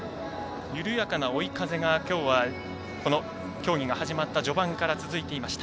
緩やかな追い風がきょうは、この競技が始まった序盤から続いていました。